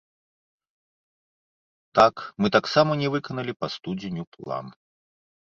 Так, мы таксама не выканалі па студзеню план.